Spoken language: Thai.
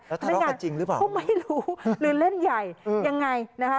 แล้วทะเลาะกันจริงหรือเปล่าพนักงานก็ไม่รู้เรื่องเล่นใหญ่ยังไงนะฮะ